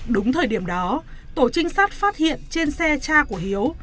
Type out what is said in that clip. đúng thời điểm đó tổ trinh sát phát hiện trên xe cha của hiếu